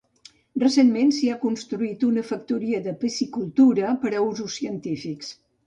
Recentment s'hi ha construït una factoria de piscicultura per a usos científics.